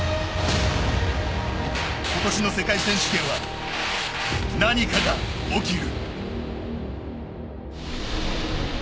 今年の世界選手権は何かが起きる。